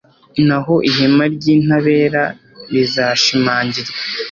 naho ihema ry’intabera rizashimangirwa